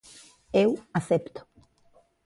Eu acepto.